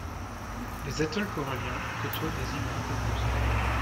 Les atolls coralliens côtoient des îles montagneuses.